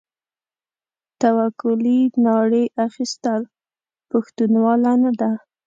توکلې ناړې اخيستل؛ پښتنواله نه ده.